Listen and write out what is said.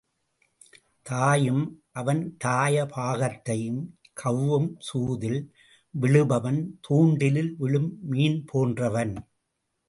தாயம் அவன் தாய பாகத்தைக் கவ்வும், சூதில் விழுபவன் துண்டி லில் விழும் மீன் போன்றவன்.